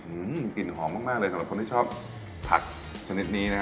อื้มกล้องหอมมากเลยสำหรับคนที่ชอบผัดชนิดนี้นะ